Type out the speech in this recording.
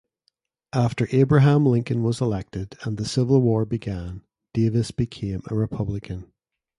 After Abraham Lincoln was elected and the Civil War began, Davis became a Republican.